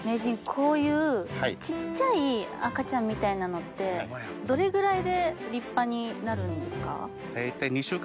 こういう小っちゃい赤ちゃんみたいなのってどれぐらいで立派になるんですか？